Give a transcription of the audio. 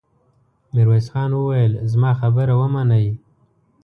ميرويس خان وويل: زما خبره ومنئ!